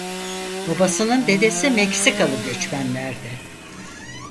Babasının dedesi Meksikalı göçmenlerdi.